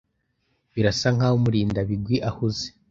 Birasa nkaho Murindabigwi ahuze.